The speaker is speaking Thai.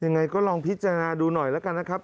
ยังไงก็ลองพิจารณาดูหน่อยแล้วกันนะครับ